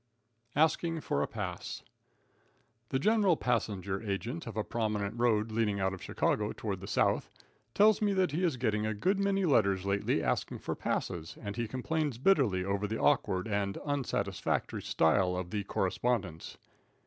Asking for a Pass. The general passenger agent of a prominent road leading out of Chicago toward the south, tells me that he is getting a good many letters lately asking for passes, and he complains bitterly over the awkward and unsatisfactory style of the correspondence.